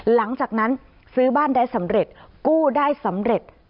หลังจากนั้นซื้อบ้านได้สำเร็จกู้ได้สำเร็จ